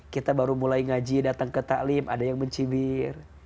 kita baru mulai ngaji datang ke ⁇ talim ada yang mencibir